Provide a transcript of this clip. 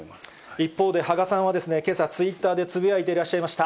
一方で羽賀さんはけさ、ツイッターでつぶやいていらっしゃいました。